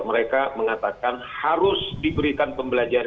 mereka mengatakan harus diberikan pembelajaran